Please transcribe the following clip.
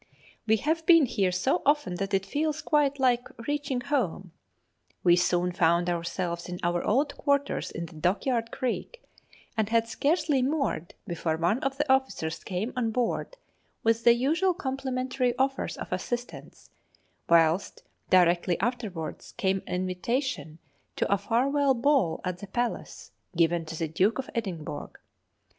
We have been here so often that it feels quite like reaching home. We soon found ourselves in our old quarters in the Dockyard Creek, and had scarcely moored before one of the officers came on board with the usual complimentary offers of assistance, whilst directly afterwards came an invitation to a farewell ball at the Palace, given to the Duke of Edinburgh.